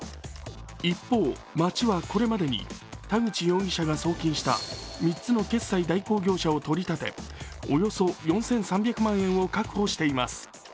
一方、町はこれまでに田口容疑者が送金した３つの決済代行業者を取り立て、およそ４３００万円を確保しています。